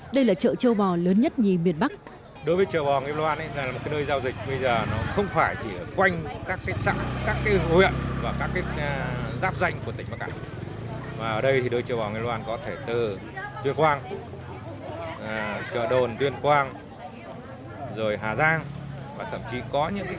đây là chợ châu bò lớn nhất nhì miền bắc